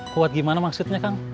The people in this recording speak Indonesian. kuat gimana maksudnya kang